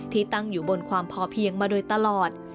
ที่ตั้งอยู่บนความพอเพียงมาโดยตลอด